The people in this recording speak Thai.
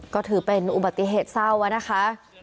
ก็ถือเป็นอุบัติเหตุเศร้านะคะ